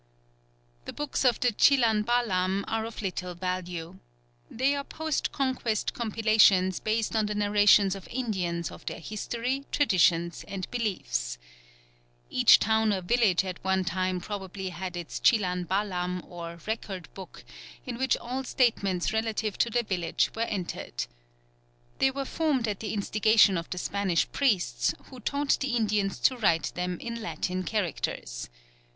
The "Books of the Chilan Balam" are of little value. They are post Conquest compilations based on the narrations of Indians of their history, traditions, and beliefs. Each town or village at one time probably had its Chilan Balam or record book in which all statements relative to the village were entered. They were formed at the instigation of the Spanish priests, who taught the Indians to write them in Latin characters.